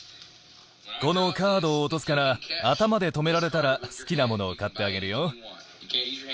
このカードを落とすから、頭で止められたら、好きなものを買ってあげるよ。